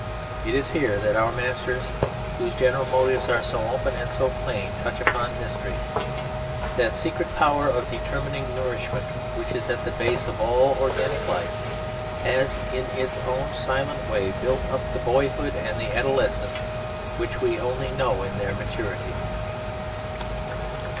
It is here that our Masters, whose general motives are so open and so plain, touch upon mystery. That secret power of determining nourishment which is at the base of all organic life has in its own silent way built up the boyhood and the adolescence which we only know in their maturity.